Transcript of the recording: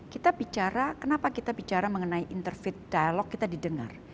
kita bicara kenapa kita bicara mengenai interview dialog kita didengar